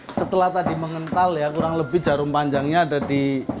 ah ini setelah tadi mengental ya kurang lebih jarum panjang yang behavi pot earth design dan